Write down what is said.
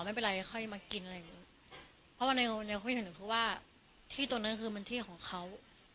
อ๋อไม่เป็นไรค่อยมากินอะไรอย่างงี้เพราะว่าที่ตรงนั้นคือมันที่ของเขา